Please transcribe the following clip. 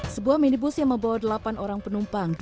sebuah minibus yang membawa delapan orang penumpang